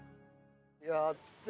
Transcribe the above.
やったー。